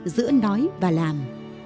giữa nói và làm